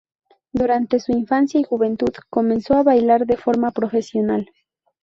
Durante su infancia y juventud comenzó a bailar de forma profesional.